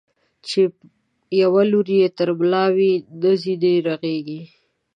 چي يو لور يې تر ملا وي، نه ځيني رغېږي.